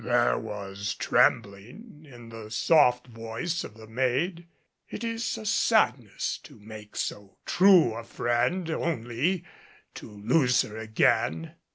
There was trembling in the soft voice of the maid. It is a sadness to make so true a friend only to lose her again.